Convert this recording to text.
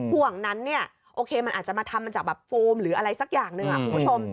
ห่วงนั้นเนี่ยโอเคมันอาจจะมาทำมาจากแบบโฟมหรืออะไรสักอย่างหนึ่งคุณผู้ชม